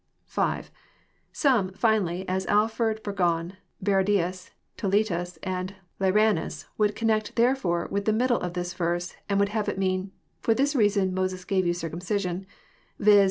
— (6) Some, finally, as Alford, Bur;;on, Barradius, Toletus, and Lyranus, would connect " therefore " with the middle of this verse, and would have it mean, " For this reason Moses gave you circumcision, viz.